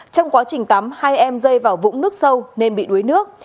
trong quá trình tắm hai em rơi vào vũng nước sâu nên bị đuối nước